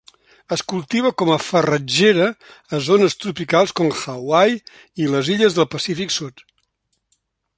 Es cultiva com farratgera a zones tropicals com Hawaii i les illes del Pacífic Sud.